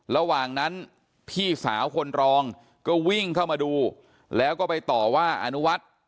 ระหว่างนั้นพี่สาวคนรองก็วิ่งเข้ามาดูแล้วก็ไปต่อว่าอนุวัฒน์